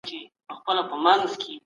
بنسټیزه څېړنه تل کلي بڼه لري.